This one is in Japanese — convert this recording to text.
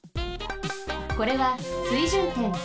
これは水準点。